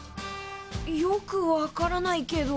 よくわからないけど。